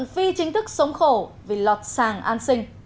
phi chính thức sống khổ vì lọt sàng an sinh